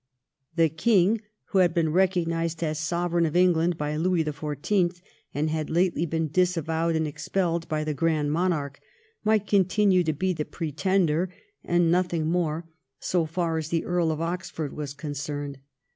The King, who had been recognised as Sovereign of England by Louis the Fourteenth, and had lately been disavowed and expelled by the Grand Monarch, might continue to be the Pretender and nothing more, so far as the Earl of Oxford was concerned.